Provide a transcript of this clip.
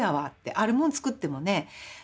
あるもんつくってもね